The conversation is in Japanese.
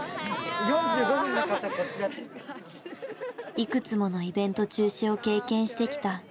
いくつものイベント中止を経験してきた１８歳世代。